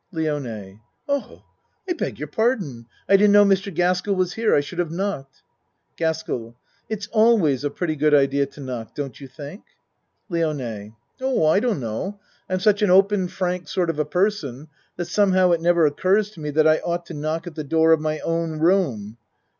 LIONE Oh I beg your pardon! I didn't know Mr. Gaskell was here. I should have knocked. GASKELL It's always a pretty good idea to knock, don't you think? LIONE Oh, I don't know. I'm such an open frank, sort of a person that somehow it never oc curs to me that I ought to knock at the door of my own room.